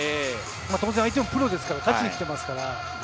当然相手もプロですから、勝ちに来てますから。